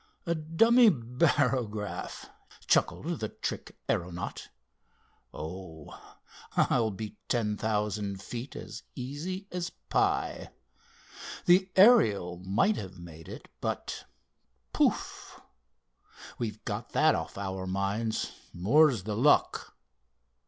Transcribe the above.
"A dummy barograph," chuckled the trick aeronaut. "Oh, I'll beat ten thousand feet easy as pie! The Ariel might have made it, but—pouf! We've got that off our minds, more's the luck!